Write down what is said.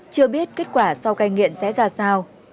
chưa biết kết quả sau cai nghiện sẽ ra sao